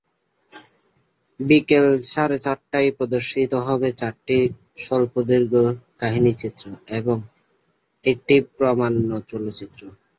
বিকেল সাড়ে চারটায় প্রদর্শিত হবে চারটি স্বল্পদৈর্ঘ্য কাহিনিচিত্র এবং একটি প্রামাণ্য চলচ্চিত্র।